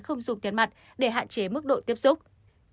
không dùng tiền mặt để hạn chế mức độ tiếp xúc